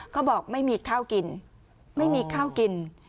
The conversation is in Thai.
เขาบอกไม่มีข้าวกิน